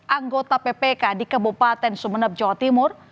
anggota ppk di kabupaten sumeneb jawa timur